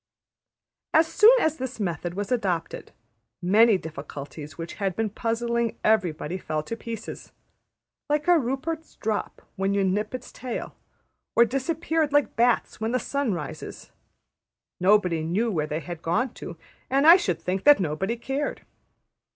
'' As soon as this method was adopted, many difficulties which had been puzzling everybody fell to pieces like a Rupert's drop when you nip its tail, or disappeared like bats when the sun rises. Nobody knew where they had gone to, and I should think that nobody cared.